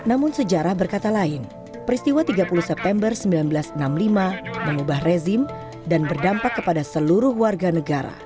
namun sejarah berkata lain peristiwa tiga puluh september seribu sembilan ratus enam puluh lima mengubah rezim dan berdampak kepada seluruh warga negara